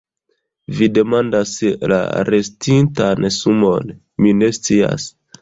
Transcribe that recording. Vi demandas la restintan sumon, mi ne scias.